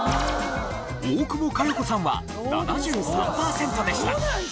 大久保佳代子さんは７３パーセントでした。